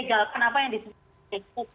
melegal kenapa yang disebut